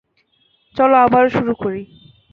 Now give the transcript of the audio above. চলো আবারও শুরু করি।